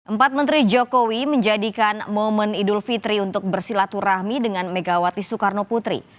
empat menteri jokowi menjadikan momen idul fitri untuk bersilaturahmi dengan megawati soekarno putri